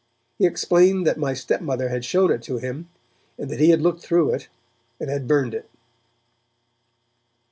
He explained that my stepmother had shown it to him, and that he had looked through it, and had burned it.